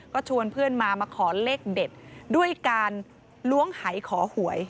ก็ชวนเพื่อนมามาขอเลขเด็ดด้วยการล้วงหายขอหวย